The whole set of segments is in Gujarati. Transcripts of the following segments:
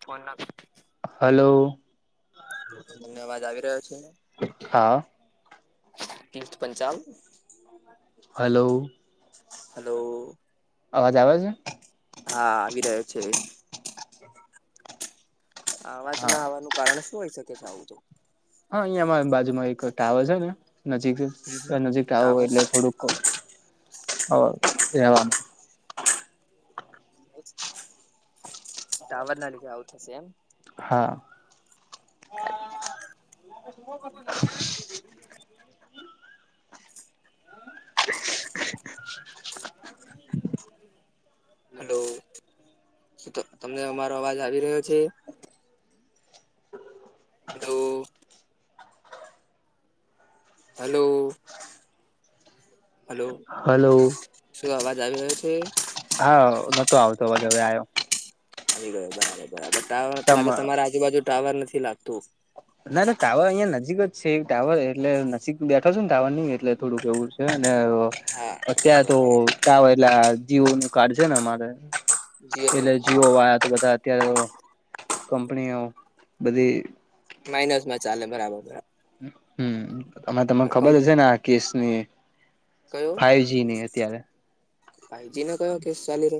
Phone [unintelligible] hello. તમને અવાજ આવી રહ્યો છે? હા તીથ પંચાલ હલો. હલો. અવાજ આવે છે? હા આવી રહ્યો છે. આ આવાજ હા ના આવવાનું કારણ શું હોઈ શકે છે આવું તો? હા અહિયાંમાં બાજુમાં એક ટાવર છે ને નજીક નજીક ટાવર હોય એટલે થોડુંક હવ રહેવાનું ટાવર ના લીધે આવુ થશે એમ હા. [unintelligible] [unintelligible] [inaudible] હલો. તમને અમારો અવાજ આવી રહ્યો છે [unintelligible] હલો [unintelligible] હલો. [unintelligible] હલો. હલો શું અવાજ આવી રહ્યો છે? હા. નતો આવતો હવે આવયો. આવી ગયો બરાબર બરાબર ટાવર નથી તમ લાગે તમારે આજુબાજુ ટાવર નથી લાગતું. ના ના ટાવર અહિયા નજીક જ છે ટાવર એટલે નજીક બેઠો છુ ને ટાવર ની એટલે થોડુંક એવું છે અને હા અત્યારે બરાબર તો બરાબર ટાવર એટલા જીયો નું કાર્ડ છે ને અમારે જીઓ એટલે હા જિયો વાડા તો બધા અત્યારે કંપની બધી માઇનસ માં ચાલે બરાબર બરાબર. હમમ અને તમને કમ ખબર હશે ને આ કેસની. કયો ફાઈવ જી ની અત્યારે ફાઈજી નો કયો કેસ ચાલે રે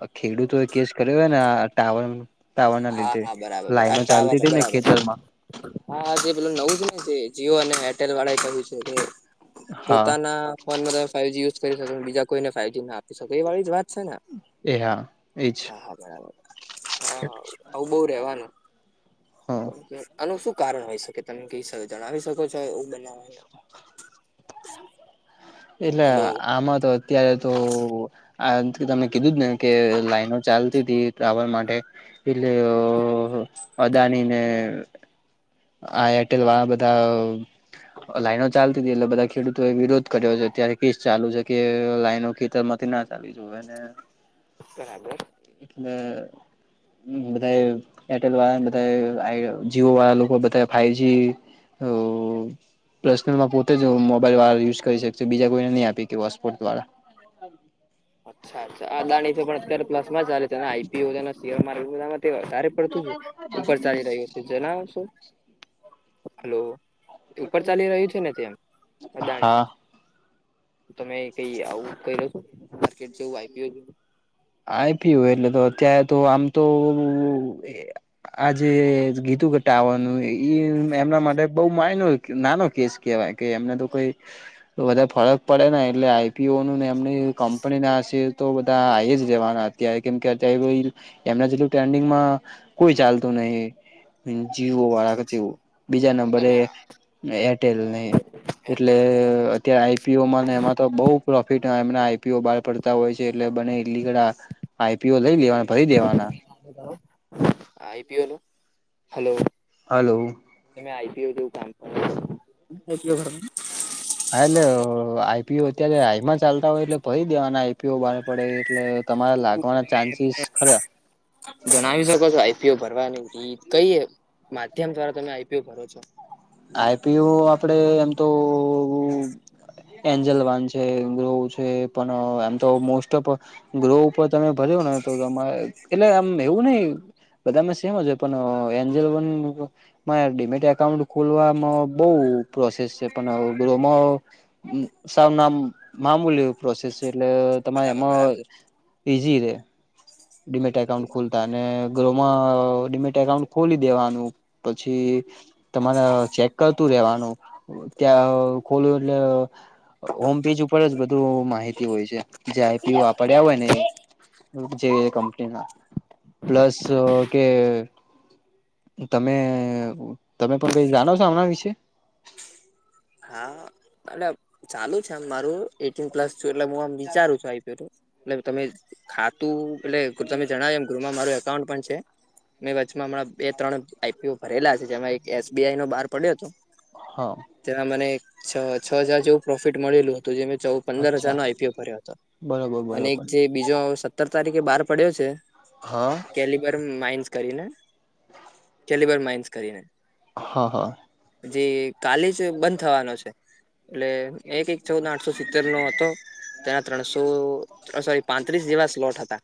અ ખેડૂતો એ કેસ કરેલા ને આ ટાવર નું ટાવરના હા લીધે હા બરાબર બરાબર. આ લાઈનો ચાલતી ટાવર હતી ને બરાબર ખેતર માં હા જે પેલું નવું છે ને જે જીઓ અને એરટેલ વાળા એ કરયુ છે ને તે હા પોતાના ફોન માં તમે ફાઈજી યુઝ કરી શકો બીજા કોઈને ફાઈવજી ના આપી શકો એ વાળી જ વાત છે ને. એ હા એ જ. હા હા બરાબર. હા [unintelligible] આવું બો રેવાનું આનું શું કારણ હોય શકે તમે કઈ જણાવી શકો છો આવું બનાવા નુ એટલે હલો આમાં તો. અત્યારે તો આન થી તમે કીધું ને કે લાઈનો ચાલતી હતી ટાવર માટે એટલે ઓહો અદાની ને આ એરટેલ વાડા ને બધા લાઈનો ચાલતી હતી એટલે બધા ખેડૂતો એ વિરોધ કર્યો છે ત્યારે કેસ ચાલુ છે કે લાઈનો ખેતરમાં ના લાવી જોવે ને. બરાબર. ન. બધા એરટેલ વાળા બધા આ જીઓ વાળા લોકો બધા. તે ફાઈવ જી ઓ. પર્સનલ માં પોતે જ મોબાઈલ વાળા યુઝ કરી શકશે બીજા કોઈને નહી આપી હોટસ્પોટ કે દ્વારા. અચ્છા અચ્છા આ દાણી છે પણ અત્યારે પ્લસમાં ચાલે છે અને આઈપીઓ અને શેર માર્કેટા. વધારે પડતું ઉપર ચાલી રહ્યું છે જણાવ છો હલો. ઉપર ચાલી રહ્યું છે ને ત્યાં અદાણી. હા તમે કઈ આવું કયરો તો કે જેવું આઈપીયુ એમ. આઈ પીયું એટલે તો અત્યારે તો આમ તો. આજે ગીતું ગતા આવવાનું એ એમના માટે બઉ માઇનુ. નાનો કેસ કેહેવાય કે એમને તો કોઈ. તો બધા ફરક પડે ને એટલે આઈપીઓ ન ને એમની કંપની ના હશે તો બધા આ જ. જવાના અત્યારે કેમ કે અત્યારે એમના જેટલું ટન્ડિંગમાં કોઈ ચાલતું નહી. જીવો વાળા કે જેવું. બીજા નંબરે તમે એરટેલ ને એટલે ત આઈપીઓમાં ને એમાં તો બહુ પ્રોફિટ એમના આઈપીઓ બહાર પડતા હોય છે એટલે બને લીંગડા આઈપીઓ લઈ લેવાના ફરી દેવાના. આઇપીઓ નુ હલો. હલો. તમે આઈપી ઓ નુ કામ કરો. હા એટલે આઈપીઓ અત્યારે હાઈમાં ચાલતા હોય એટલે ફરી દેવાના આઈપીઓ બહાર પડે એટલે. તમારે લાગવાના ચાન્સીસ ખરા. જણાવી શકો છો આઈપીઓ ભરવાની કઈ માધ્યમ દ્વારા તમે આઈપીઓ ભરો છો. અચ્છા. આઈપીયુ આપડે એમ તો. એન્જલ વાન છે ગ્રો છે પણ એમ તો મોસ્ટ ઓફ ગ્રોહ ઉપર તમે ભર્યો ને તો તમારે એટલે આમ એવું નહિ. બધામાં સેમ જ હોય પણ એન્જલ વનમાં ડિમીટેડ એકાઉન્ટ. ખોલવામાં બહુ પ્રોસેસ છે પણ. સાવ નામ મામૂલી પ્રોસેસ છે એટલે. તમારે બરાબર એમાં બરાબર ઈઝી રે ડીમેટ એકાઉન્ટ ખોલ. તા અને ગ્રોમાં ડિમિમેટ એકાઉન્ટ ખોલી દેવાનું પછી. તમારે ચેક કરતું રેવાનું ત્યાં ખોલું એટલે. હોમ પેજ ઉપર જ બધું માહિતી હોય છે જે આઈપી વાપર્યા હોય ને એ. જે કંપનીના પ્લસ કે. તમે તમે પણ કઈ જાણો છો આમના વિશે. હા અને ચાલુ છે એમ મારું. એટીન પ્લસ છું એટલે હું આમ વિચારું છું આઈપી એલું એટલે તમે. ખાતું એટલે તમે જણાવ્યું એમ ગૃહમાં માર એકાઉન્ટ પણ છે. મેં વચ્ચમાં હમણાં બે ત્રણ આઈપીઓ ભરેલા છે જેમાં એક એસબીઆઈ નો બહાર પડ્યો હતો. હા. ત્યાં મને એક છ છ હજાર જેવું પ્રોફિટ મળેલું હતું જે મેં ચૌદ પંદર અચ્છા હજારનો આઈપીઓ ભર્યો હતો. બરોબર અને એક બરોબર જે બીજો સત્તર તારીખે બાર પડ્યો છે. હહ કેલબર માઇન્સ કરીને કેલબર માઇન્સ કરીને. હા હા. જે કાલે જ બંધ થવાનો છે. એટલે એક એક ચૌદ આઠસો સિત્તેર નો હતો તેના. ત્રણસો સોરી પાંત્રીસ જેવા સ્લોટ હતા.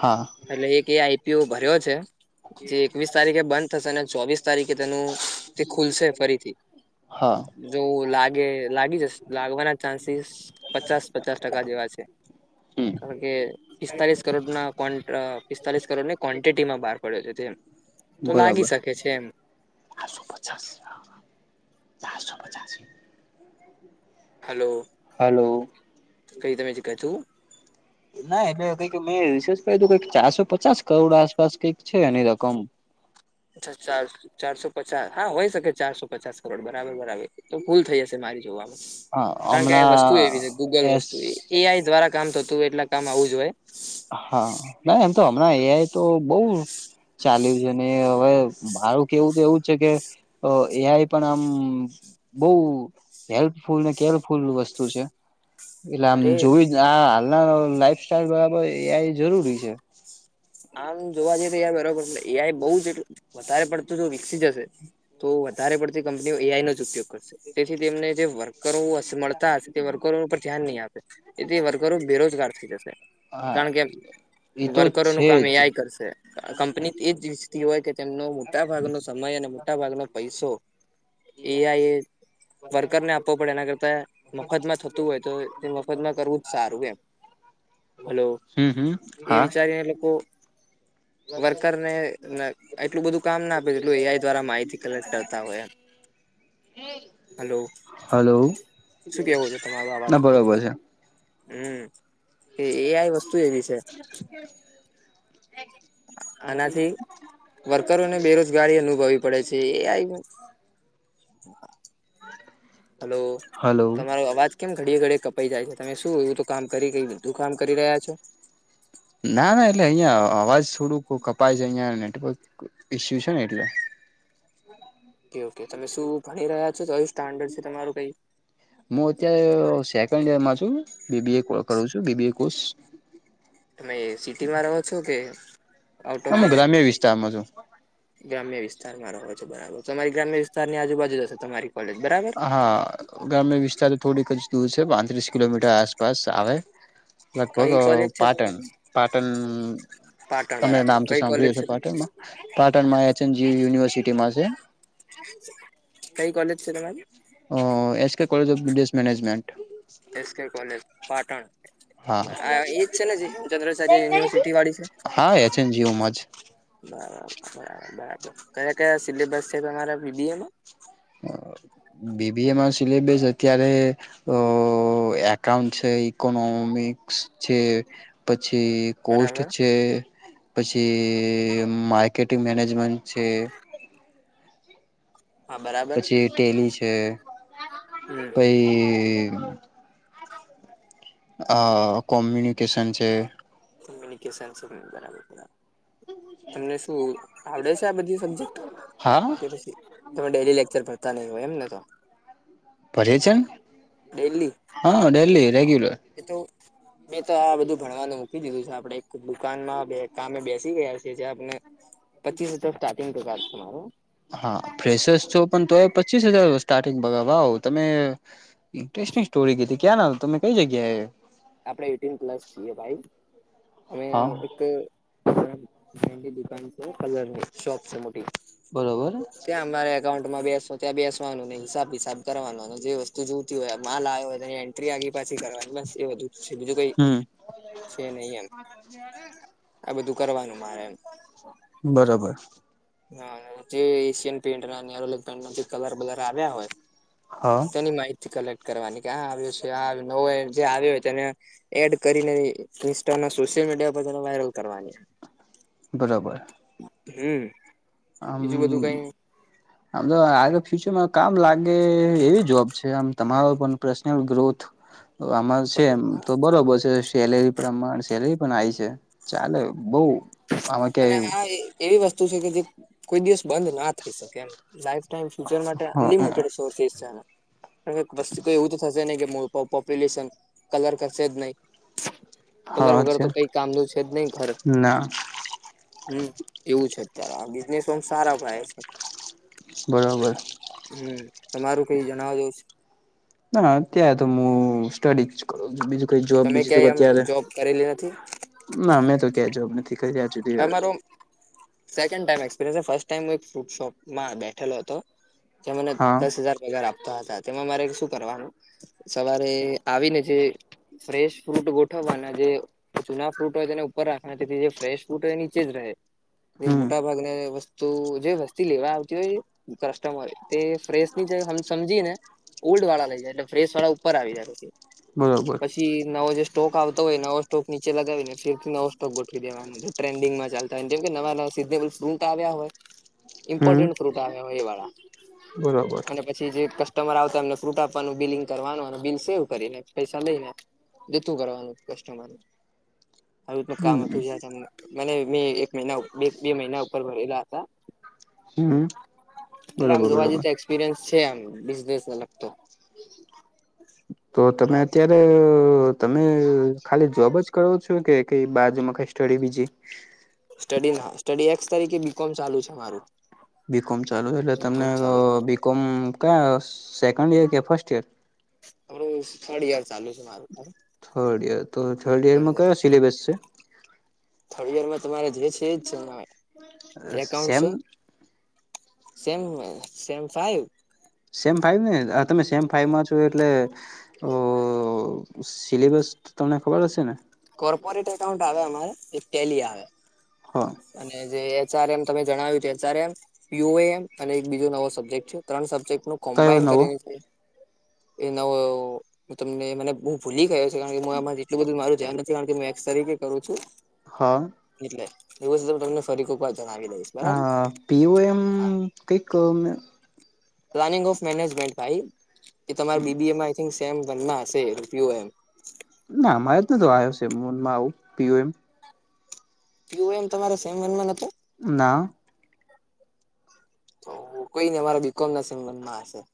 હા એટલે એક એ આઈપીઓ ભર્યો છે. જે એકવીસ તારીખે બંધ થશે અને ચોવીસ તારીખે તેનું તે ખુલશે ફરીથી. હા જો લાગે લાગી જશે લાગવાના ચાન્સીસ પચાસ પચાસ ટકા જેવા છે. હમ કારણ કે પિસ્તાલીસ કરોડના કોન્ટ પિસ્તાલીસ કરોડની કોન્ટીટીમાં બહાર પડ્યો છે જેમ તો લાગી શકે છે એમ. આઠસો પચાસ હા હા ચારસો પચાસી. હલો હલો કઈ તમે જ કધું? ના એટલે કઈક મેં રિસર્ચ કર્યું કંઈક ચારસો પચાસ કરોડ આસપાસ કઈક છે એની રકમ. અચ્છા ચાર ચારસો પચાસ હા હોઈ શકે ચારસો પચાસ કરોડ બરાબર બરાબર. તો ભૂલ થઈ હશે મારી જોવામાં. હા કારણ કે વસ્તુ એવી છે હમણાં ગૂગલ એસ વસ્તુ એઆઈ દ્વારા. કામ થતું હોય એટલા કામ આવું જ હોય. હા ના એમ તો હમણાં એઆઈ તો બહુ ચાલ્યું છે ને હવે મારું કેવું તો એવું જ છે કે અ એઆઈ પણ આમ બહુ હેલ્પફુલ ને કેરફુલ વસ્તુ છે. એટલે આમ અરે જોવી જ આ હાલના લાઈફ સ્ટાઇલ બરાબર એઆઈ જરૂરી છે. આમ જોવા જઈએ તો યાર બરાબર એઆઈ બહુ જ એટલું વધારે પડતું જો વિકસી જશે. તો વધારે પડતી કંપનીઓ એઆઈનો જ ઉપયોગ કરશે. તેથી તેમને જે વર્ક કરવું હશે, મળતા હશે તે વર્કરો ઉપર ધ્યાન નહીં આપે. તેથી વર્કરો બેરોજગાર થઈ જશે. હા કારણ કે ઈતો વર્કરોનું છે. કામ જ એઆઈ કરશે. કંપની તેજ ઈચ્છતી હોય કે તેમનો મોટા ભાગનો સમય અને મોટા ભાગનો પૈસો એઆઈ એ વર્કરને આપવો પડે એના કરતા મફતમાં થતું હોય તો તે મફતમાં કરવું જ સારું એમ. હલો હમ હમ એ હા વિચારીને લોકો એટલું વર્કરને એટલું બધું કામ ના આપે જેટલું એઆઈ દ્વારા માહિતી કલેક્ટ કરતા હોય એમ. હલો [inaudible] હલો શું કેવું છે તમારું આ વાત ના ઉપર બરાબર છે. હમ કે એઆઈ વસ્તુ એવી છે. [inaudible] આનાથી વર્કરોને બેરોજગારી અનુભવી પડે છે. એઆઈ હલો હલો તમારો અવાજ કેમ ઘડીએ ઘડીએ કપાઈ જાય છે તમે શું એવું તો કામ કરી કઈ બીધું કામ કરી રહ્યા છો? ના ના એટલે અહિયાં અવાજ થોડુંક કપાય છે. અહીંયા નેટવર્ક ઈસ્યુ છે ને એટલે. ઓકે ઓકે તમે શું ભણી રહ્યા છો કયું સ્ટાન્ડર્ડ છે તમારું કઈ? મું અત્યારે સેકન્ડ યરમાં છું. બીબીએ કો કરું છું બીબીએ કોર્સ. તમે સિટીમાં રહો છો કે આઉટ ઓફ હું ઇન્ડ ગ્રામ્ય વિસ્તારમાં છું ગ્રામ્ય વિસ્તારમાં રહો છો બરાબર. તમારી ગ્રામ્ય વિસ્તારની આજુબાજુ જ હશે તમારી. કોલેજ બરાબર હા ગ્રામ્ય વિસ્તાર એ થોડીક જ દૂર છે. પાંત્રીસ કિલોમીટર આસપાસ આવે. લગભગ કઈ અ કોલેજ છે પાટણ તમારી પાટન પાટણ તમે બરાબર નામ તો કઈ કોલેજ સાંભળ્યું હશે છે પાટણમાં પાટણમાં એચન જ યુનિવર્સિટીમાં છે. કઈ કોલેજ છે તમારી. અ S K college of business management. S K college Patan. હા આ એજ છે ને જે ચંદ્રાચાર્ય યુનિવર્સિટી વાળી છે? હા એચ એન જી યુમાં જ [inaudible] બરાબર બરાબર બરાબર. કયા કયા સિલેબસ છે તમારા બીબીએમાં? [inaudible] બીબી એમાં સિલેબસ અત્યારે અ એકાઉન્ટ છે ઇકોનોમિક છે પછી કોસ્ટ બરાબર પછી માર્કેટિંગ મેનેજમેન્ટ છે. હા બરાબર પછી ટેલી છે હમ પઈ અ કોમ્યુનિકેશન છે. કોમ્યુનિકેશન બરાબર. તમને શું આવડે છે આ બધી સબ્જેક્ટ હા પછી તમે ડેલી લેક્ચર ભરતા નઇ હોય એમતો ભરે છે ન ડેલી હા ડેલી રેગ્યુલર. એ તો મેં તો આ બધું ભણવાનું. કી દીધું છે આપડણે એક દુકાનમાં કામે બેસી ગયા છીએ જે આપણે પચીસ હજાર સ્ટાર્ટિગ તો કાર છે મારો. હા ફેશસ છો પણ તો એ પચીસ હજાર સ્ટાર્ટિંગ પગાર આવ તમે ઇન્ટરેસ્ટિંગ સ્ટોરી કીધી ક્યાં ના તમે કઈ જગ્યા આપડે એટીન પ્લસ છીએ ભાઈ અમે હા એક ફ્રેન્ડની દુકાન છે કલરની શોપ છે મોટી બરોબર ત્યાં અમારે એકાઉન્ટમાં બેશુ ત્યાં બેસવાનું ને હિસાબ હિસાબ કરવાનું જે વસ્તુ જોતી હોય માલ આવ્યો હોય એની એન્ટ્રી એન્ટ્રી આગી પાછી કરવાની બસ એ બધું છે બીજું કઈ હમ છે નહી એમ આ બધું કરવાનું મારે એમ. બરોબર. હા જે એશિયન પેઇન્ટ નારોલગ પેન્ટ જે કલર બર આવ્યા હોય હા. તેની માહિતી કલેક્ટ કરવાની કે આ આવ્યો છે આ નવ જે આવ્યો હોય તેને એડ કરીને ઇન્સ્ટા ના સોશિયલ મીડિયા પર વાયરલ કરવાની. બરોબર. હમ્મ. આમ. [inaudible] આમ તો આગળ ફ્યુચરમાં કામ લાગે એવી જોબ છે આમ તમારો પણ પર્સનલ ગ્રોથ [inaudible] આમાં છે એમ તો બરોબર છે. સેલેરી પ્રમાણ સેલેરી પણ આ છે ચાલે બઉ. આમાં અને ક્યાંય આ એવી વસ્તુ છે કે જે કોઈ દિવસ બંધ ના થઈ શકે એમ. લાઈફ ટાઈમ ફ્યુચર માટે હા અનલિમિટેડ સોર્સસ છે કારણ વસ્તુ કોઈ એવું તો થશે નઈ કે પો પોપ્યુલેશન કલર કરશે જ નહી. કલર હા વગર છે તો કઈ કામનું છે જ નહી ઘર. ના. હમ્મ એવું છે અત્યારે આ બિઝનેસ પણ સારા થાય છે. બરોબર. હમ્મ તમારું કઈ જણાવવા જેવું છે. ના અત્યારે તો મુ સ્ટડીજ કરું બીજું કઈ જોબ તમે બીજુ ક્યાંય જ્યારે. આમ જોબ કરેલી નથી ના મે તો ક્યાંય જવું નથી. સુધી આ મારો સેકન્ડ ટાઇમ એક્સપિરિયન્સ જ ફસ્ટ ટાઇમ ફ્રુટ શોપમાં બેઠેલો હતો. જે મને હા દસ હજાર પગાર આપતા હતા તેમાં મારે શું કરવાનું સવારે આવીને જે ફ્રેશ ફ્રૂટ ગોઠવવાના જે જૂના ફ્રૂટ હોય તેને ઉપર રાખના તેથી જે ફ્રેશ ફ્રુટ નીચે જ રહે હમ મોટા ભાગના ને વસ તો જે વસ્તી લેવા આવતી હોય કસ્ટમર તે ફ્રેશની સમજીને ઓલ્ડ વાળા લઈ જાય એટલે ફ્રેશ વાળા ઉપર આવી જાય પછી બરોબર પછી નવો જે સ્ટોક આવતો હોય નવો સ્ટોક નીચે લગાવીને ફેર થી નવો સ્ટોક ગોઠવી દેવાનો ટ્રેન્ડિંગ માં ચાલતા હોય કેમ કે નવા નવા સિઝનેબલ ફ્રૂટ આવ્યા હોય હમ ઇ્પોર્ટન્ટ ફ્રુટ આવે એ વાળા બરોબર અને પછી જે કસ્ટમર આવતા એમને ફ્રૂટ આપવાનું બિલિંગ કરવાનું બિલ સેવ કરીને પૈસા લઈ લેવા જતું કરવાનું કસ્ટમર આવું તે કામ હમ હતું જે મને મેં એક મહિના બે મહિના ઉપર ભરેલા હતા હમ અલ્યા આમ બરોબર જોવા જઈ બરોબર તો એક્સપિરિયન્સ છે બિઝનેસને લગતો તો તમે બરાબર અત્યારે તો તમે ખાલી જોબ જ કરો છો કે કઇ બાજુમાં કઈ સ્ટડી બીજી સ્ટડી ના સ્ટડી એક્સ તરીકે બીકોમ ચાલુ છે મારું બીકોમ ચાલુ છે એટલે તમને બીકોમ ચાલુ બીકોમ કયા સેકન્ડ ઈયર કે ફર્સ્ટ ઈયર મારું થર્ડ એયર ચાલુ છે મારું થર્ડ યર તો થર્ડ ઈયરમાં કયો સિલેબસ છે થર્ડ યરમાં તમારે જે છે એ જ છે એ એકઉન્ટ સેમ છે same same five same five ને તમે સેમ ફાઈઇવમાં છો એટલે ઓ સિલેબસ તમને ખબર હશે ને કોર્પોરેટ એકાઉન્ટ આવે અમારે એક તેલી આવે હા અને જે એચઆર એમ તમે જણાવ્યું એચઆર એમ યુએ એમ અને એક બીજો નવો સબ્જેક્ટ છે ત્રણ સબ્જેક્ટ નું કયો કોમ્બાાઈન નવો કરીને એ નવો તમને મને બહુ ભૂલી ગયો છે કારણ કે હું આમાં એટલું બધું મારું ધ્યાન નથી કારણ કે હું એક્સ તરીકે કરું છું હા એટલે એ વસ્તુ તો હુ તમને ફરી કોક વાત જણાવી દઈશું આ પીઓ એમ કઇક પ્લાનિંગ ઓફ મેનેજમેન્ટ ફાઈવ એ તમારે બીબીએ માં આઈથિંગ સેમમાં વન માં હશે પીઓ એમ ના અમારે તો તો આવ્યો છે મનમાં આવું પીવું એમ યુમ [unintelligible] તમારે સેમ વનમાં [inaudible] નથી. ના. તો કોઈને અમારા બીકોમમાં નથી.